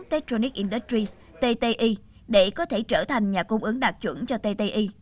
tectronic industries tti để có thể trở thành nhà cung ứng đạt chuẩn cho tti